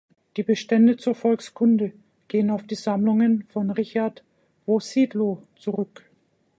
Die Bestände zur Volkskunde gehen auf die Sammlungen von Richard Wossidlo zurück.